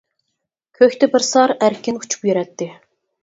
كۆكتە بىر سار ئەركىن ئۇچۇپ يۈرەتتى.